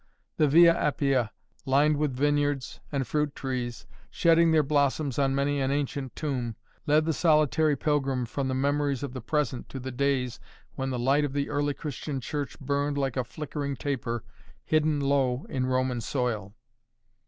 The Via Appia, lined with vineyards and fruit trees, shedding their blossoms on many an ancient tomb, led the solitary pilgrim from the memories of the present to the days, when the light of the early Christian Church burned like a flickering taper hidden low in Roman soil.